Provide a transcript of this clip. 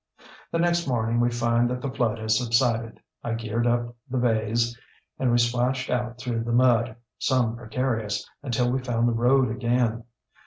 ŌĆ£The next morning we find that the flood has subsided. I geared up the bays, and we splashed out through the mud, some precarious, until we found the road again.